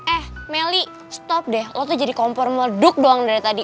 eh melly stop deh lo tuh jadi kompor melduk doang dari tadi